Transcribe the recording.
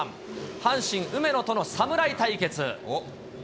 阪神、梅野との侍対決。